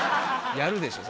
やるでしょ